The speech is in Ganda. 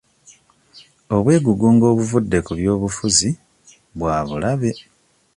Obwegugungo obuvudde ku byobufuzi bwa bulabe.